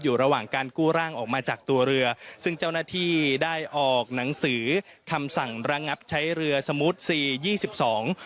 อยู่ระหว่างการกู้ร่างออกมาจากตัวเรือซึ่งเจ้าหน้าที่ได้ออกหนังสือคำสั่งระงับใช้เรือสมูทสี่ยี่สิบสอง